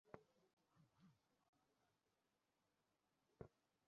ঘূর্ণিঝড় কিংবা জলোচ্ছ্বাসে বাঁধ ভেঙে যেতে পারে, এমন আতঙ্কে দিন কাটাচ্ছে তারা।